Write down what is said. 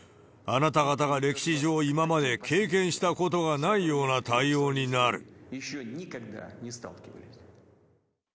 あなた方が歴史上今まで経験したことがないような対応になる。